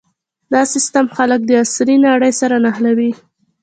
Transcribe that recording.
دا سیستم خلک د عصري نړۍ سره نښلوي.